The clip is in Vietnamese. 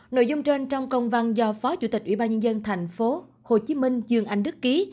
nội dung trên trong công văn do phó chủ tịch ủy ban nhân dân tp hcm dương anh đức ký